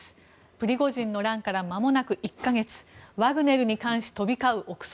プリゴジンの乱からまもなく１か月ワグネルに関し飛び交う臆測。